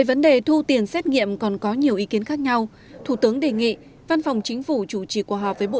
vấn đề thu tiền xét nghiệm còn có nhiều ý kiến khác nhau